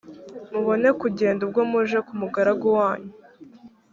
mubone kugenda ubwo muje ku mugaragu wanyu